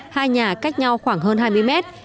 hai nhà cách nhau khoảng hơn hai mươi mét